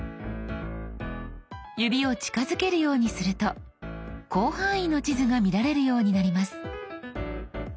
指を近づけるようにすると広範囲の地図が見られるようになります。